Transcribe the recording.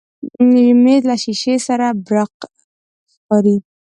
مېز له شیشې سره براق ښکاري.